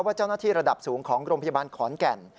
เจ้าหน้าที่ระดับสูงของโรงพยาบาลขอนแก่น